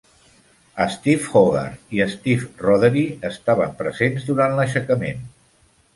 Steve Hogarth i Steve Rothery estaven presents durant l'aixecament.